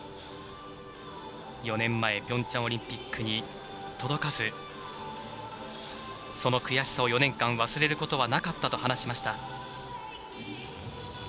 ４年前ピョンチャンオリンピックに届かずその悔しさを４年間忘れることはなかったと話しました。